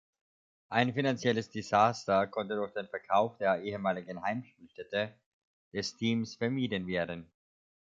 Ein finanzielles Disaster konnte durch den Verkauf der ehemaligen Heimspielstätte des Teams vermieden werden.